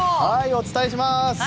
お伝えします。